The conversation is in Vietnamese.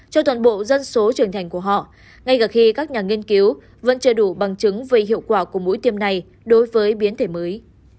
cho toàn bộ dân số trưởng thành của họ ngay cả khi các nhà nghiên cứu vẫn chưa đủ bằng chứng về hiệu quả của mũi tiêm này đối với biến thể mới